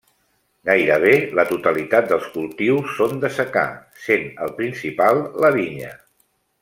Gairebé la totalitat dels cultius són de secà, sent el principal la vinya.